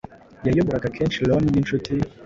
Yayoboraga kenshi lorn ninshuti